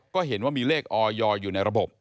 ก็เห็นว่ามีเลขออยอยู่ในระบบ